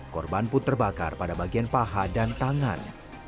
korban pun terbakar pada bagian paha dan tangan